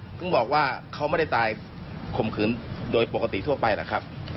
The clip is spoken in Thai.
ถึงบอกว่าเขาไม่ได้ตายข่มขืนโดยปกติทั่วไปแหละครับ